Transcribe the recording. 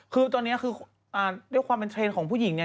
คือตอนนี้คือด้วยความเป็นเทรนด์ของผู้หญิงเนี่ย